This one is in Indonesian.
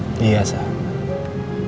berarti kita sesuai nasib dong